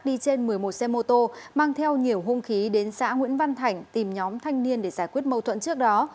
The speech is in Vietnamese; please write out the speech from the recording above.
đi trên một mươi một xe mô tô mang theo nhiều hung khí đến xã nguyễn văn thảnh tìm nhóm thanh niên để giải quyết mâu thuẫn trước đó